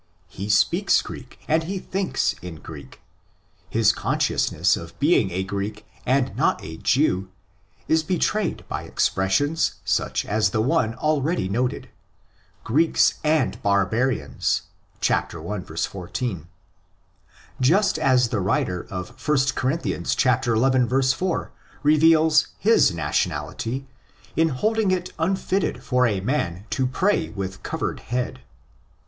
He speaks Greek and he thinks in Greek. His consciousness of being a Greek and not a Jew is betrayed by expressions such as the one already noted ('' Greeks and barbarians," i. 14) ; just as the writer of 1 Cor. xi. 4 reveals his nationality in holding it unfitting for a man to pray with covered head.